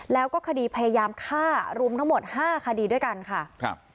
แล้วก็คดีพยายามฆ่ารุมทั้งหมดห้าคดีด้วยกันค่ะครับ